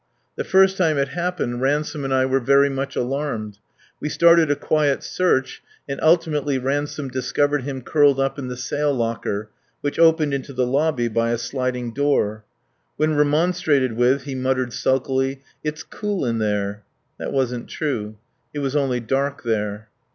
The first time it happened Ransome and I were very much alarmed. We started a quiet search and ultimately Ransome discovered him curled up in the sail locker, which opened into the lobby by a sliding door. When remonstrated with, he muttered sulkily, "It's cool in there." That wasn't true. It was only dark there.